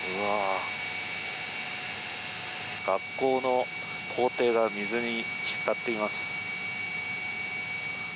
学校の校庭が水に浸っています。